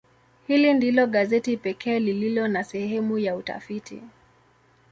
Hili ndilo gazeti pekee lililo na sehemu ya utafiti.